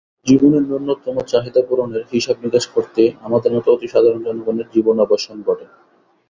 জীবনের ন্যূনতম চাহিদা পূরণের হিসাবনিকাশ করতেই আমাদের মতো অতিসাধারণ জনগণের জীবনাবসান ঘটে।